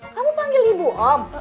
kamu panggil ibu om